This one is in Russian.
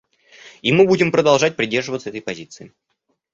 И мы будем продолжать придерживаться этой позиции.